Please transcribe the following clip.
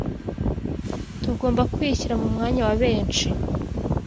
Tugomba kwishyira mu mwanya wa benshi.